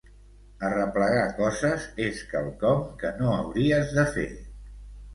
Arreplegar coses és quelcom que no hauries de fer.